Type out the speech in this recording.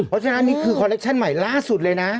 เพราะฉะนั้นนี่คือคอลเลคชั่นใหม่ล่าสุดเลยนะ